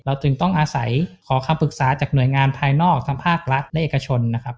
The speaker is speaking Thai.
จึงต้องอาศัยขอคำปรึกษาจากหน่วยงานภายนอกทั้งภาครัฐและเอกชนนะครับ